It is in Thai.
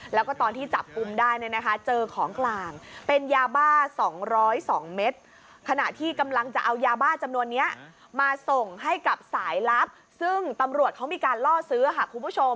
แล้วก็ตอนที่จับกลุ่มได้น่ะนะคะเจอของกลางเป็นยาบ้า๒๐๒เม็ด